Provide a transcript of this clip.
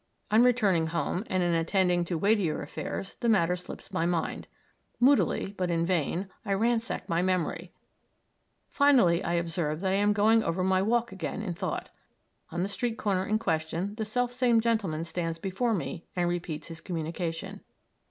On returning home, and in attending to weightier affairs, the matter slips my mind. Moodily, but in vain, I ransack my memory. Finally I observe that I am going over my walk again in thought. On the street corner in question the self same gentleman stands before me and repeats his communication.